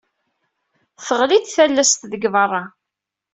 Tɣelli-d tallast deg berra.